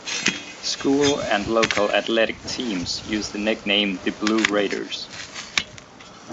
School and local athletic teams use the nickname the Blue Raiders.